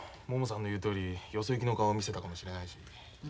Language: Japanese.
ももさんの言うとおりよそ行きの顔を見せたかもしれないし。